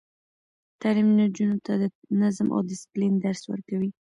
تعلیم نجونو ته د نظم او دسپلین درس ورکوي.